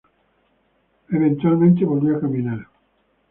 Eventualmente volvió a caminar.